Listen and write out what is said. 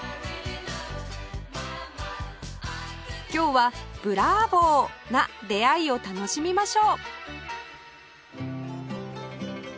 今日はブラーボーな出会いを楽しみましょう